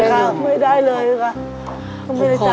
ก็ได้แหละ